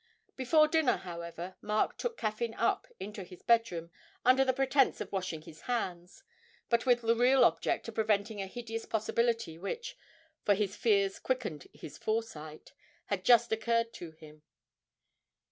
Before dinner, however, Mark took Caffyn up into his bedroom under the pretence of washing his hands, but with the real object of preventing a hideous possibility which for his fears quickened his foresight had just occurred to him.